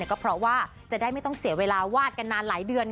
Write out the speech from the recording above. ก็เพราะว่าจะได้ไม่ต้องเสียเวลาวาดกันนานหลายเดือน